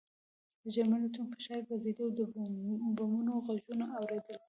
د جرمني الوتکې په ښار ګرځېدې او د بمونو غږونه اورېدل کېدل